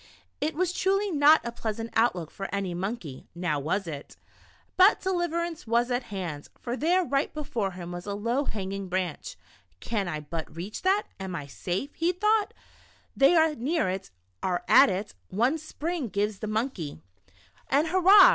It was truly not a pleasant outlook for any monkey, now was it ? But deliverance was at hand, for there right before him was a low hanging branch. " Can I but reach that, I am safe," he thought. They are near it, are at it, — one spring gives the monkey. 144 Monkey Tricks in the Jungle. and, hurrah